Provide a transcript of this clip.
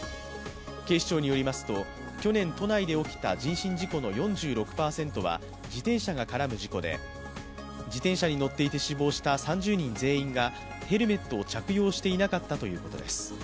警視庁によりますと去年、都内で起きた人身事故の４６％は自転車が絡む事故で、自転車に乗っていて死亡した３０人全員がヘルメットを着用していなかったということです。